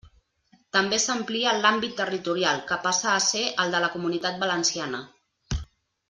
També s'amplia l'àmbit territorial, que passa a ser el de la Comunitat Valenciana.